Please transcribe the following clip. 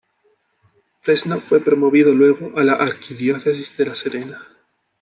Fresno fue promovido luego a la Arquidiócesis de La Serena.